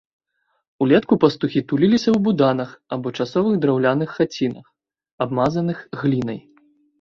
Улетку пастухі туліліся ў буданах або часовых драўляных хацінах, абмазаных глінай.